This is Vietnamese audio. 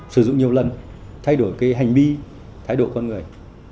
sử dụng nhiều lần thay đổi cái hành vi thay đổi con người